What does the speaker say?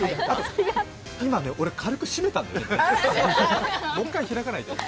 今ね、俺、軽く締めたんだよ。